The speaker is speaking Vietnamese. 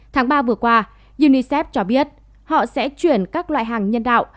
tháng ba vừa qua unicef cho biết họ sẽ chuyển các loại hàng nhân đạo